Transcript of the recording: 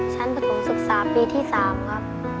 ชั้นเป็นฝุ่งศึกษาปีที่๓ครับ